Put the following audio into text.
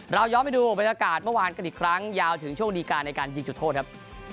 เราย้อนไปดูบรรยากาศเมื่อวานกันอีกครั้งยาวถึงโชคดีการในการยิงจุดโทษครับ